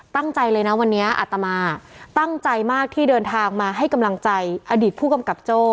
ตั้งใจเลยนะวันนี้อัตมาตั้งใจมากที่เดินทางมาให้กำลังใจอดีตผู้กำกับโจ้